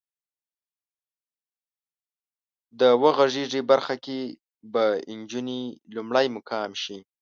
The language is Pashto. د وغږېږئ برخه کې به انجونې لومړی مقام شي.